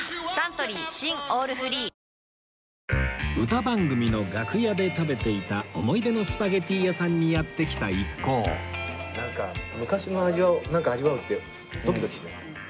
歌番組の楽屋で食べていた思い出のスパゲティ屋さんにやって来た一行なんか昔の味を味わうってドキドキしない？